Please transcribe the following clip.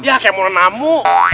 ya kayak murnamu